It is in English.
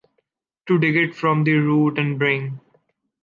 to dig it from the root and bring